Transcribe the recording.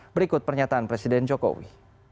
berikut pernyataan presiden jokowi